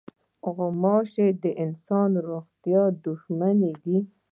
غوماشې د انسان د روغتیا دښمنې دي.